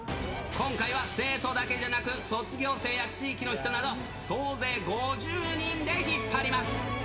今回は生徒だけじゃなく、卒業生や地域の人など、総勢５０人で引っ張ります。